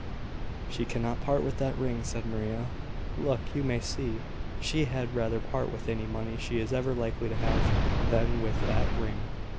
"She cannot part with that ring," said Maria. "Look! you may see she had rather part with any money she is ever likely to have than with that ring."